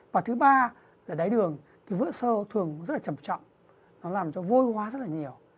và thứ ba là đái đường vỡ sơ thường rất trầm trọng nó làm cho vôi hóa rất nhiều